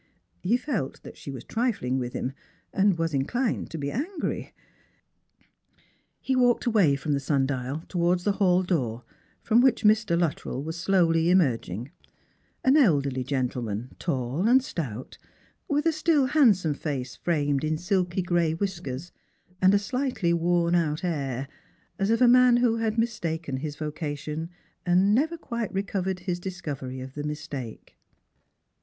He fi^lt that she was trifling with him, and was inclined to be tngry. He walked away from the sun dial towards the hall loor, from which Mr. Luttrell was slowly emerging— an elderly gentleman, tall and stout, with a still handsome face framed in lilky gray whiskers, and a slightly worn out air, as of a man pho had mistaken his vocation, and never quite recovered hia liscovery of the mistake.